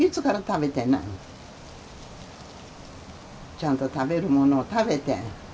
ちゃんと食べるものを食べて。